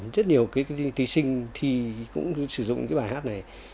rất nhiều thí sinh thì cũng sử dụng cái bài hát này